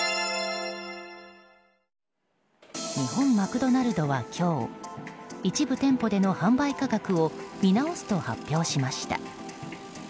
日本マクドナルドは今日一部店舗での販売価格を見直すと発表しました。